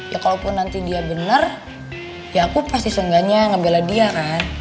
ya kalaupun nanti dia benar ya aku pasti sungganya ngebela dia kan